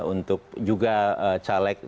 untuk juga caleg